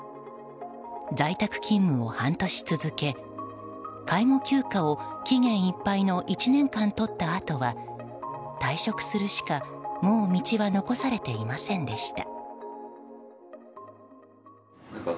在宅勤務を半年続け、介護休暇を期限いっぱいの１年間取ったあとは退職するしかもう道は残されていませんでした。